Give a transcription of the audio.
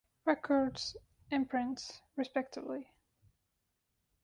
Records imprints, respectively.